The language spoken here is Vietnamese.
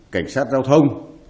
cảnh sát giao thông